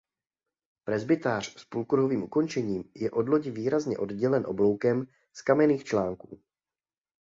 Presbytář s půlkruhovým ukončením je od lodi výrazně oddělen obloukem z kamenných článků.